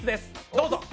どうぞ。